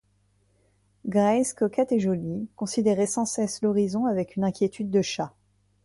Grace, coquette et jolie, considérait sans cesse l’horizon avec une inquiétude de chat.